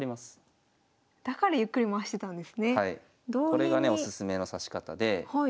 これがねおすすめの指し方で。